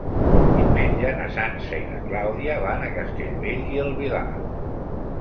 Diumenge na Sança i na Clàudia van a Castellbell i el Vilar.